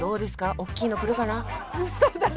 おっきいの来るかな？